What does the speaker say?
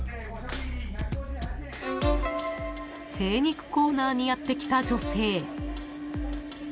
［精肉コーナーにやって来た女性］